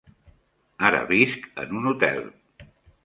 Ara visc en un hotel.